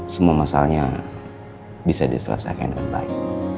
semua masalahnya bisa diselesaikan dengan baik